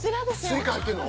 スイカ入ってんの？